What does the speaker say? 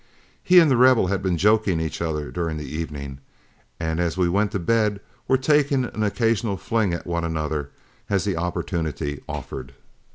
He and The Rebel had been joking each other during the evening, and as we went to bed were taking an occasional fling at one another as opportunity offered.